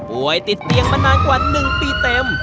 ป่วยติดเตียงมานานกว่า๑ปีเต็ม